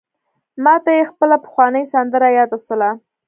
ماته مي خپله پخوانۍ سندره یاده سوله: